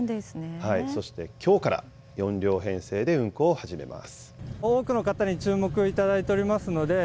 そしてきょうから４両編成で運行を始めます。